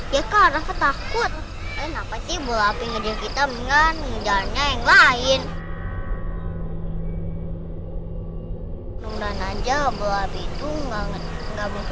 ya kan aku takut